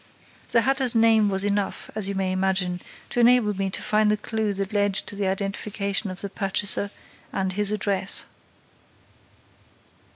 The hatter's name was enough, as you may imagine, to enable me to find the clue that led to the identification of the purchaser and his address.